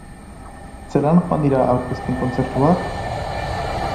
Zelan joan dira aurkezpen kontzertuak?